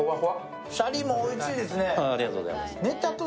シャリもおいしいですね。